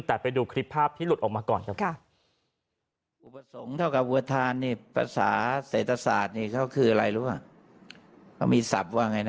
แต่ไปดูคลิปภาพที่หลุดออกมาก่อนครับ